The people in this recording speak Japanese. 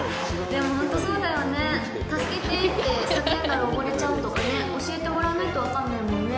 でも、ほんと、そうだよね、“助けて”って叫んだら溺れちゃうとかね、教えてもらわないと分からないもんね？